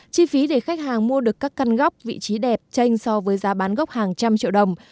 chi phí để khách hàng mua được các căn góc vị trí đẹp tranh so với giá bán gốc hàng trăm triệu đồng